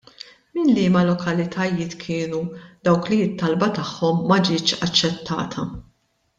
Minn liema lokalitajiet kienu dawk li t-talba tagħhom ma ġietx aċċettata?